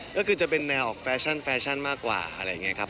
ก็คือจะเป็นแนวออกแฟชั่นแฟชั่นมากกว่าอะไรอย่างนี้ครับ